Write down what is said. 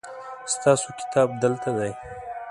ستاسو کتاب دلته دی